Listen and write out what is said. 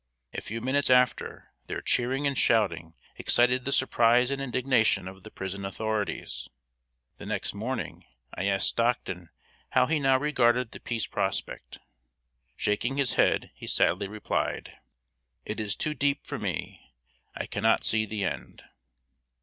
A few minutes after, their cheering and shouting excited the surprise and indignation of the prison authorities. The next morning I asked Stockton how he now regarded the peace prospect. Shaking his head, he sadly replied: "It is too deep for me; I cannot see the end."